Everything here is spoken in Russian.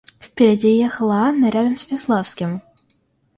Впереди ехала Анна рядом с Весловским.